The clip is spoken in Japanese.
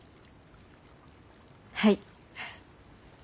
はい。